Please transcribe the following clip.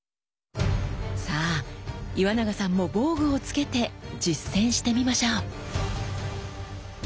さあ岩永さんも防具を着けて実践してみましょう！